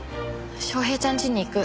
昌平ちゃん家に行く。